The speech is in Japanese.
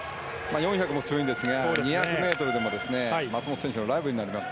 ４００ｍも強いんですが２００ｍでも松元選手のライバルになります。